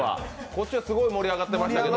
こっちはすごい盛り上がってましたよ。